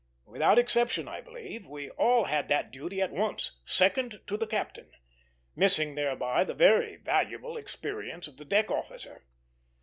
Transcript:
Without exception, I believe, we all had that duty at once second to the captain missing thereby the very valuable experience of the deck officer.